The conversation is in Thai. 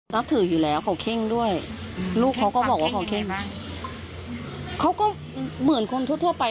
นับถืออยู่แล้วเขาเข้งด้วยลูกเขาก็บอกว่าเขาเข้งไหมเขาก็เหมือนคนทั่วทั่วไป